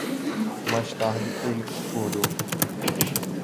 Mais tarde ele concordou